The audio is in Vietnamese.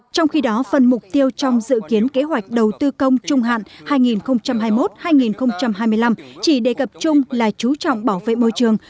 trong khi đó phần mục tiêu trong dự kiến kế hoạch đầu tư công trung hạn hai nghìn hai mươi một hai nghìn hai mươi năm chỉ đề cập chung là chú trọng bảo vệ môi trường